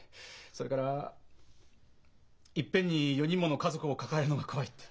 それからいっぺんに４人もの家族を抱えるのが怖いって。